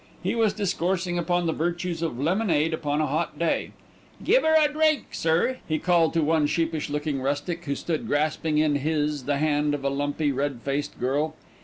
He was discoursing upon the virtues of lemonade upon a hot day. "Give 'er a drink, sir," he called to one sheepish looking rustic, who stood grasping in his the hand of a lumpy, red faced girl.